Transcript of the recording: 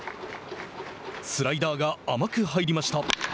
スライダーが甘く入りました。